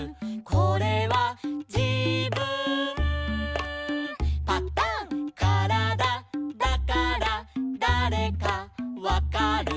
「これはじぶんパタン」「からだだからだれかわかる」